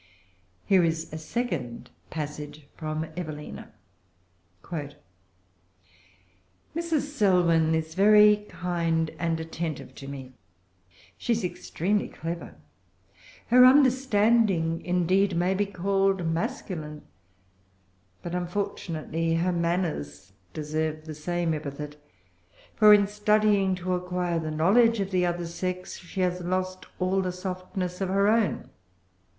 Here is a second passage from Evelina:— "Mrs. Selwyn is very kind and attentive to me. She is extremely clever. Her understanding, indeed, may be called masculine; but unfortunately her manners deserve the same epithet; for, in studying to acquire the knowledge of the other sex, she has lost all the softness of her own.